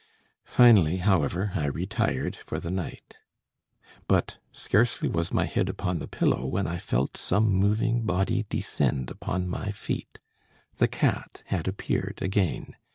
Finally, however, I retired for the night; but scarcely was my head upon the pillow when I felt some moving body descend upon my feet. The cat had appeared again.